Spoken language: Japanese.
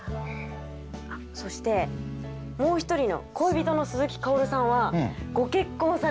あっそしてもう一人の恋人の鈴木かおるさんはご結婚されて。